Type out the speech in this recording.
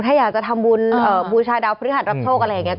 ถ้าอยากจะทำวุลบุญชายดาวภิริคนรับโทษอะไรเงี้ย